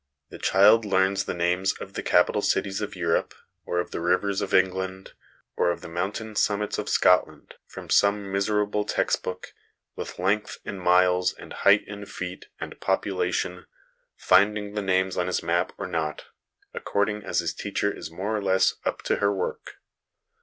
The child learns the names of the capital cities of Europe, or of the rivers of England, or of the mountain summits of Scotland, from some miserable text book, with length in miles, and height in feet, and population, finding the names on his map or not, according as his teacher is more or less up to her work.